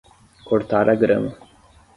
Cortar a grama.